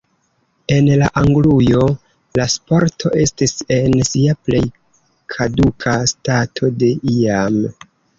En Anglujo la sporto estis en sia plej kaduka stato de iam.